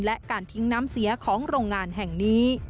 และการทิ้งน้ำเสียของโรงงานแห่งนี้